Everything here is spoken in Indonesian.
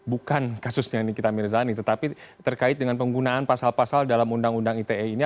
bukan kasusnya nikita mirzani tetapi terkait dengan penggunaan pasal pasal dalam undang undang ite ini